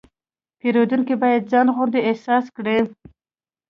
پیرودونکی باید ځان خوندي احساس کړي.